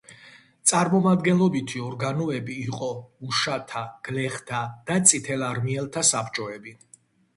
წარმომადგენლობითი ორგანოები იყო მუშათა, გლეხთა და წითელარმიელთა საბჭოები.